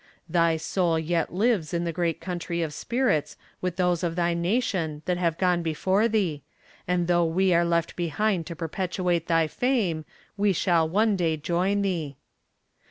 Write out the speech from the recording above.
Thy soul yet lives in the great country of spirits with those of thy nation that have gone before thee, and though we are left behind to perpetuate thy fame, we shall one day join thee.